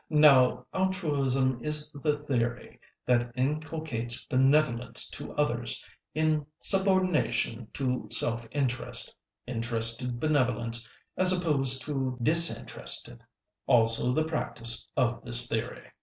Now altruism is the theory that inculcates benevolence to others in subordination to self interest; interested benevolence as opposed to disinterested; also, the practice of this theory."